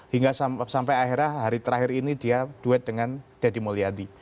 hingga sampai akhirnya hari terakhir ini dia duet dengan deddy mulyadi